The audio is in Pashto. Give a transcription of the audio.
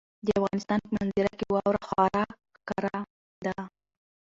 د افغانستان په منظره کې واوره خورا ښکاره ده.